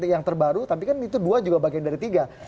yang terbaru tapi kan itu dua juga bagian dari tiga